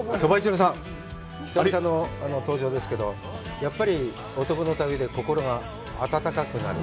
久々の登場ですけど、やっぱり男の旅で心があったかくなる。